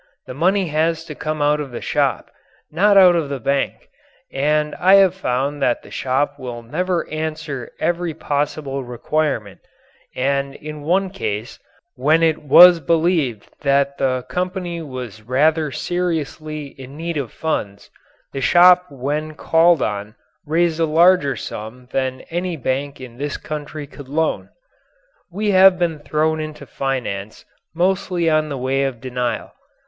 The money has to come out of the shop, not out of the bank, and I have found that the shop will answer every possible requirement, and in one case, when it was believed that the company was rather seriously in need of funds, the shop when called on raised a larger sum than any bank in this country could loan. We have been thrown into finance mostly in the way of denial.